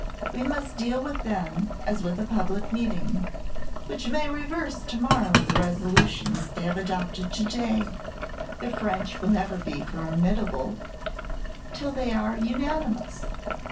We must deal with them as with a public meeting, which may reverse to morrow the resolutions they have adopted to day. The French will never be formidable till they are unanimous.